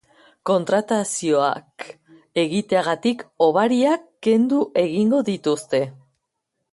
Kontratazioak egiteagatik hobariak kendu egingo dituzte.